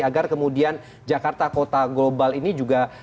agar kemudian jakarta kota global bisa menjadi kota global